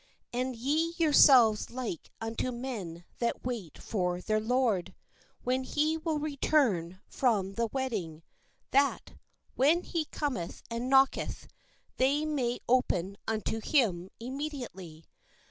And ye yourselves like unto men that wait for their lord, when he will return from WHEN THE LORD COMETH the wedding; that, when he cometh and knocketh, they may open unto him immediately.